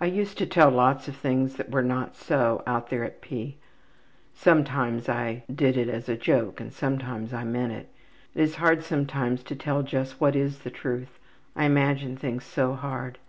``I used to tell lots of things that were not so out there at P. Sometimes I did it as a joke and sometimes I meant it. It is hard sometimes to tell just what is the truth, I imagine things so hard.